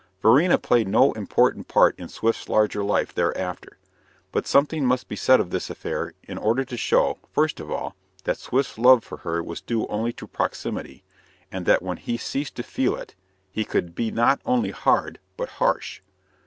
Varina played no important part in Swift's larger life thereafter; but something must be said of this affair in order to show, first of all, that Swift's love for her was due only to proximity, and that when he ceased to feel it he could be not only hard, but harsh.